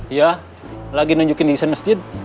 iya lagi nunjukin di desa masjid